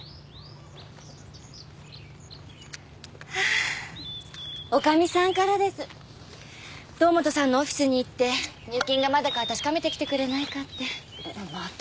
ハァ女将さんからです堂本さんのオフィスに行って入金がまだか確かめてきてくれないかってまた？